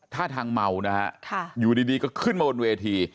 ท่าทางเมานะฮะอยู่ดีก็ขึ้นมาบนเวที